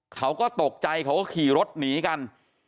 เขาก็ตกใจเขาก็ขี่รถหนีกัน